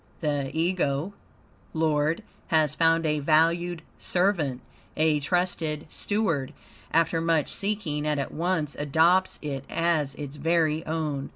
The Ego Lord has found a valued servant, a trusted steward, after much seeking, and at once adopts it as its very own.